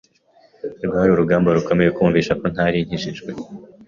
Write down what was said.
rwari urugamba rukomeye kubumvisha ko ntari nkijijwe